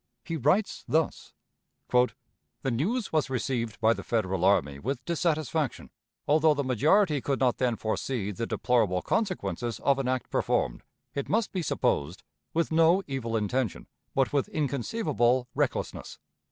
He writes thus: "The news was received by the Federal army with dissatisfaction, although the majority could not then foresee the deplorable consequences of an act performed, it must be supposed, with no evil intention, but with inconceivable recklessness.